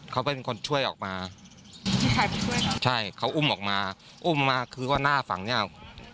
เขาเป็นคนช่วยออกมาใช่เขาอุ้มออกมาอุ้มออกมาคือว่าหน้าฝั่งเนี่ย